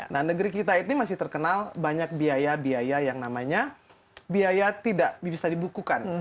nah negeri kita ini masih terkenal banyak biaya biaya yang namanya biaya tidak bisa dibukukan